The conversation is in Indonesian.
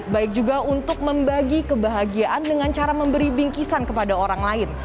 baik juga untuk membagi kebahagiaan dengan cara memberi bingkisan kepada orang lain